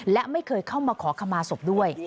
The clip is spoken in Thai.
และไม่เคยเข้ามาขอขมาศพด้วย